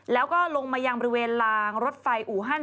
แล้วก็ลงมายังบริเวณลางรถไฟอูฮัน